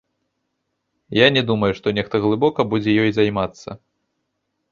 Я не думаю, што нехта глыбока будзе ёй займацца.